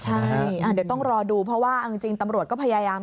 ใช่เดี๋ยวต้องรอดูเพราะว่าเอาจริงตำรวจก็พยายาม